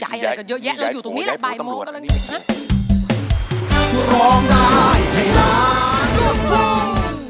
ย้ายอะไรกันเยอะแยะเราอยู่ตรงนี้แหละบ่ายโมงกันเลย